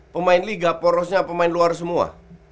pemain liga porosnya pemain luar semua